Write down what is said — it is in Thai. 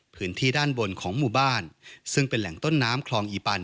พื้นที่ด้านบนของหมู่บ้านซึ่งเป็นแหล่งต้นน้ำคลองอีปัน